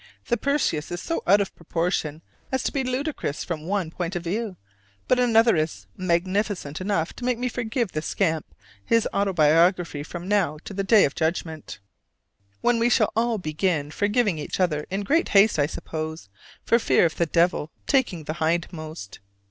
The Perseus is so out of proportion as to be ludicrous from one point of view: but another is magnificent enough to make me forgive the scamp his autobiography from now to the day of judgment (when we shall all begin forgiving each other in great haste, I suppose, for fear of the devil taking the hindmost!)